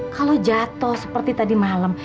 kalau jatuh seperti tadi malam